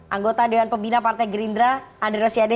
anggota dewan pembina partai gerindra ander rosiadeh